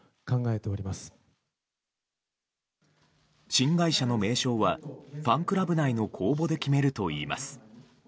新会社の名称はファンクラブ内の公募で決めるといいます。